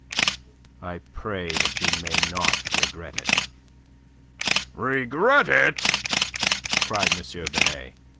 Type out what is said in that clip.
I pray that you may not regret it." "Regret it?" cried M. Binet.